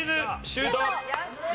シュート！